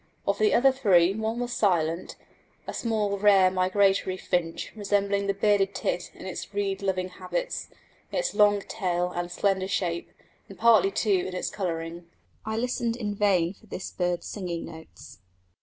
Of the other three one was silent a small rare migratory finch resembling the bearded tit in its reed loving habits, its long tail and slender shape, and partly too in its colouring. I listened in vain for this bird's singing notes.